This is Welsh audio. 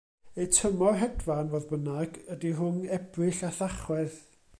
Eu tymor hedfan, fodd bynnag ydy rhwng Ebrill a Thachwedd.